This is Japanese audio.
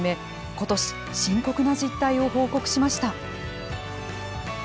今年、深刻な実態を報告しました。